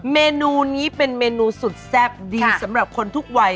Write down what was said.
เมนูนี้เป็นเมนูสุดแซ่บดีสำหรับคนทุกวัย